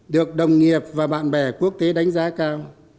được đồng nghiệp và bạn bè quốc tế đánh giá cao